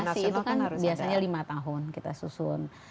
nasi itu kan biasanya lima tahun kita susun